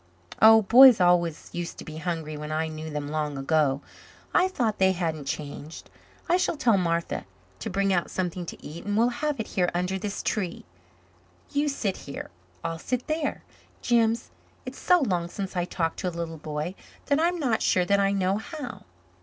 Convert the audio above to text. "Oh, boys always used to be hungry when I knew them long ago. I thought they hadn't changed. I shall tell Martha to bring out something to eat and we'll have it here under this tree. You sit here I'll sit there. Jims, it's so long since I talked to a little boy that I'm not sure that I know how."